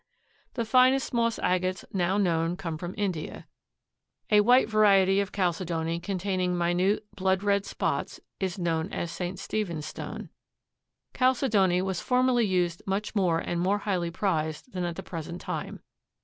The finest moss agates now known come from India. A white variety of chalcedony containing minute blood red spots is known as St. Stephen's stone. Chalcedony was formerly used much more and more highly prized than at the present time.